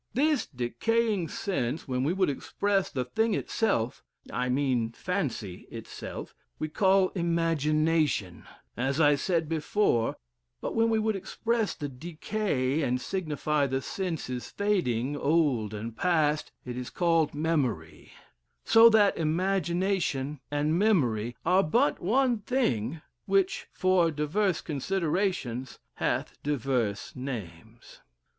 This decaying sense, when we would express the thing itself (I mean fancy itself), we call imagination, as I said before, but when we would express the Decay, and signify the sense is fading, old and past, it is called Memory: so that imagination and memory are but one thing, which, for divers considerations, hath divers names."